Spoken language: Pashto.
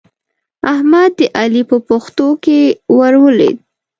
احمد د علي په پښتو کې ور ولوېد.